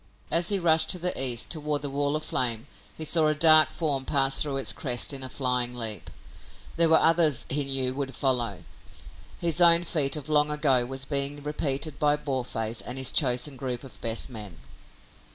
As he rushed to the east toward the wall of flame he saw a dark form pass through its crest in a flying leap. There were others he knew would follow. His own feat of long ago was being repeated by Boarface and his chosen group of best men!